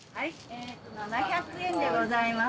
７００円でございます。